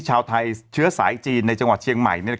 ชาวไทยเชื้อสายจีนในจังหวัดเชียงใหม่